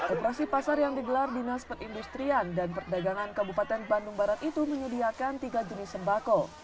operasi pasar yang digelar di nasper industrian dan perdagangan kabupaten bendung barat itu menyediakan tiga jenis sembako